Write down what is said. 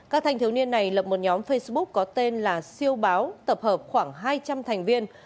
các thanh thiếu niên này lập một nhóm facebook có tên là siêu báo tập hợp khoảng hai trăm linh thành viên